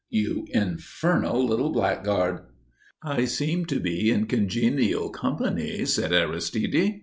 "You infernal little blackguard!" "I seem to be in congenial company," said Aristide.